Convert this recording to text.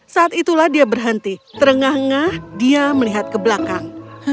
saat itulah dia berhenti terengah engah dia melihat ke belakang